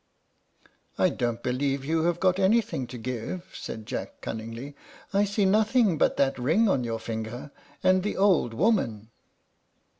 "I don't believe you have got anything to give," said Jack, cunningly; "I see nothing but that ring on your finger, and the old woman."